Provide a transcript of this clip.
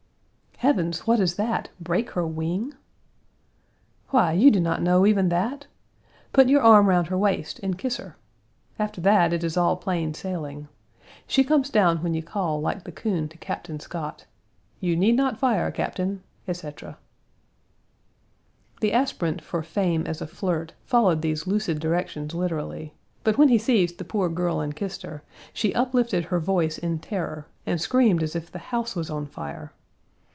"Heavens, what is that break her wing?" "Why, you do not know even that? Put your arm round her waist and kiss her. After that, it is all plain sailing. She comes down when you call like the coon to Captain Scott: 'You need not fire, Captain,' etc." The aspirant for fame as a flirt followed these lucid directions literally, but when he seized the poor girl and kissed her, she uplifted her voice in terror, and screamed as if the house was on fire.